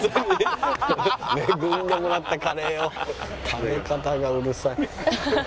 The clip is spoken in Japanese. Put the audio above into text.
食べ方がうるさい。